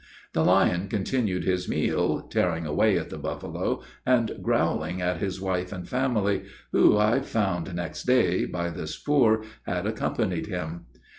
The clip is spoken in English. The lion continued his meal, tearing away at the buffalo, and growling at his wife and family, who, I found next day, by the spoor, had accompanied him.